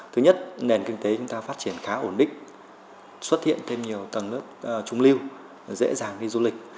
thứ nhất nền kinh tế chúng ta phát triển khá ổn định xuất hiện thêm nhiều tầng nước trung lưu dễ dàng đi du lịch